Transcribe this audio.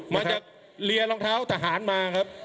มาจากเรียรองเท้าทหารมาครับ